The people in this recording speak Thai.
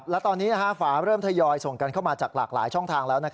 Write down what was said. และตอนนี้ฝาเริ่มทยอยส่งกันเข้ามาจากหลากหลายช่องทางแล้ว